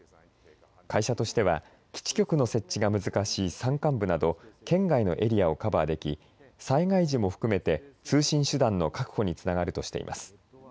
会社としては基地局の設置が難しい山間部など圏外のエリアをカバーでき災害時も含めて通信手段の確保につながるとしています。